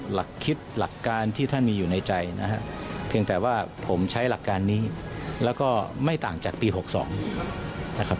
หลักคิดหลักการที่ท่านมีอยู่ในใจนะฮะเพียงแต่ว่าผมใช้หลักการนี้แล้วก็ไม่ต่างจากปี๖๒นะครับ